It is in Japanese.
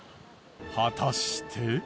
果たして。